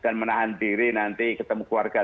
dan menahan diri nanti ketemu keluarga